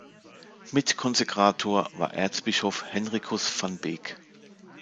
Mitkonsekrator war Erzbischof Henricus van Beek.